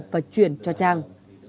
và chuyển cho trang